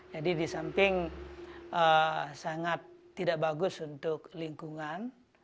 jadi di samping sangat tidak bagus untuk lingkungan